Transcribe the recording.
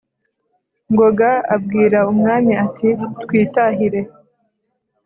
» ngoga abwira umwami ati twitahire